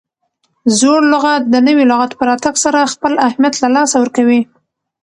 زوړ لغت د نوي لغت په راتګ سره خپل اهمیت له لاسه ورکوي.